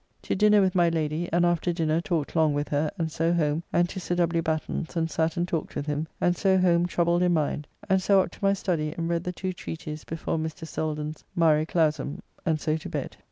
To dinner with my Lady, and after dinner talked long with her, and so home, and to Sir W. Batten's, and sat and talked with him, and so home troubled in mind, and so up to my study and read the two treaties before Mr. Selden's "Mare Clausum," and so to bed.